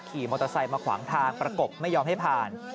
ขี่มอเตอร์ไซค์มาขวางทางประกบไม่ยอมให้ผ่าน